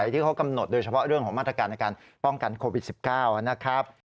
ที่เขากำหนดโดยเฉพาะเรื่องของมาตรการในการป้องกันโควิด๑๙นะครับ